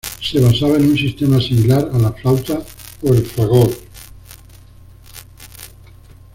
Se basaba en un sistema similar a la flauta o el fagot.